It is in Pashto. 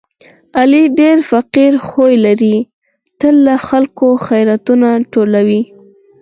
علي ډېر فقیر خوی لري، تل له خلکو خیراتونه ټولوي.